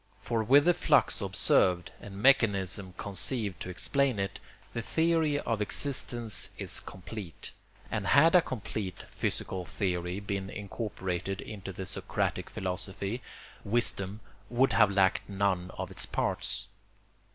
For with the flux observed, and mechanism conceived to explain it, the theory of existence is complete; and had a complete physical theory been incorporated into the Socratic philosophy, wisdom would have lacked none of its parts.